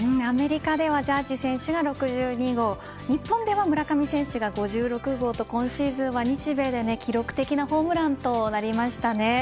アメリカではジャッジ選手が６２号日本では村上選手が５６号と、今シーズンは日米で記録的なホームランとなりましたね。